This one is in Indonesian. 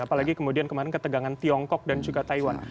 apalagi kemudian kemarin ketegangan tiongkok dan juga taiwan